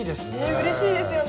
うれしいですよね。